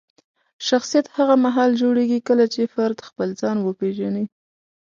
شخصیت هغه مهال جوړېږي کله چې فرد خپل ځان وپیژني.